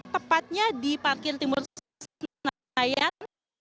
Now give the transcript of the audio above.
tepatnya di parkir timur senayan